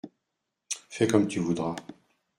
Fais comme tu voudras…